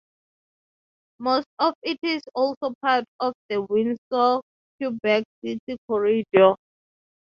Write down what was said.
Most of it is also part of the Windsor-Quebec City corridor.